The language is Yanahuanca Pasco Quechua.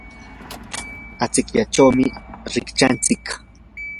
achikyaychawmi rikchanchik.